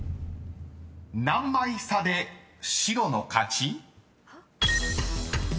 ［何枚差で白の勝ち？］